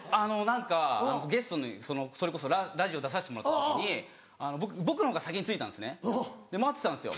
何かゲストにそれこそラジオ出させてもらった時に僕の方が先に着いたんですねで待ってたんですよ。